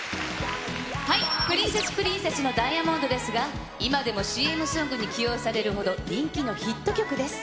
プリンセスプリンセスのダイアモンドですが、今でもＣＭソングに起用されるほど人気のヒット曲です。